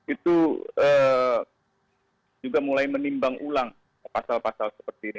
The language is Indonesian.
itu juga mulai menimbang ulang pasal pasal seperti ini